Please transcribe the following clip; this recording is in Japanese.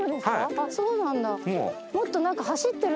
あっそうなんだ。